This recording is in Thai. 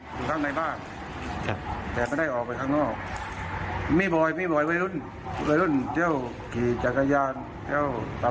แต่เรามันพูดไม่ได้เพราะวัยรุ่นเรียกนี้เราเสียงที่ว่า